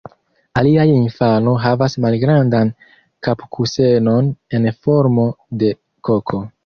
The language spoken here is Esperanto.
Alia infano havas malgrandan kapkusenon en formo de koko.